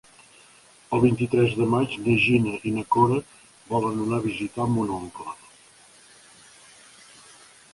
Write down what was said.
El vint-i-tres de maig na Gina i na Cora volen anar a visitar mon oncle.